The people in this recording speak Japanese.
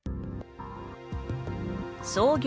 創業